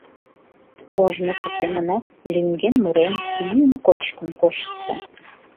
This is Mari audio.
Ожнысо семынак лӱҥген-мурен, йӱын-кочкын коштса.